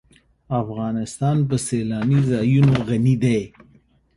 افغانستان په سیلانی ځایونه غني دی.